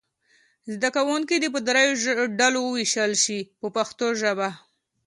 زده کوونکي دې په دریو ډلو وویشل شي په پښتو ژبه.